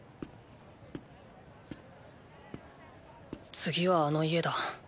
次はあの家だ。